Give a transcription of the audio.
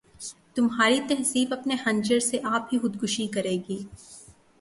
تمہاری تہذیب اپنے خنجر سے آپ ہی خودکشی کرے گی